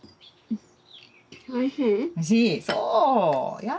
おいしい？